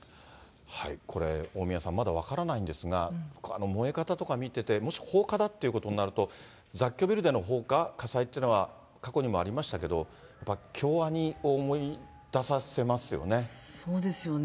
これ、大宮さん、まだ分からないんですが、燃え方とか見てて、もし、放火だっていうことになると、雑居ビルでの放火、火災というのは、過去にもありましたけど、やっぱり京アニを思い出させますよね。